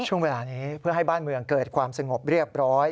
ช่วงเวลานี้เพื่อให้บ้านเมืองเกิดความสงบเรียบร้อย